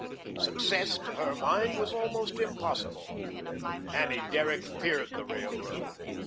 Success, to her mind, was almost impossible. Annie Derrick feared the railroad.